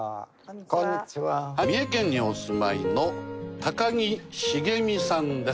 三重県にお住まいの木繁美さんです。